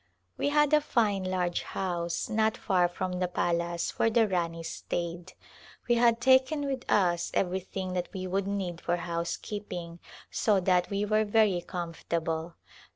We had a fine large house not far from the palace where the Rani stayed. We had taken with us every thing that we would need for housekeeping so that we were very comfortable.